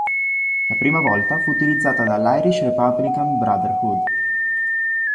La prima volta fu utilizzata dall'Irish Republican Brotherhood.